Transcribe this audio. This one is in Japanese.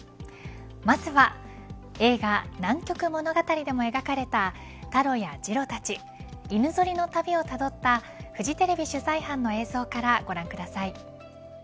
まずは映画、南極物語でも描かれたタロやジロたち犬ぞりの旅をたどったフジテレビ取材班の映像からご覧ください。